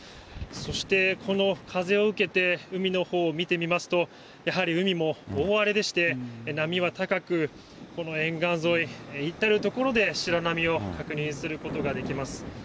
そしてこの風を受けて、海のほう見てみますと、やはり海も大荒れでして、波は高く、この沿岸沿い、至る所で白波を確認することができます。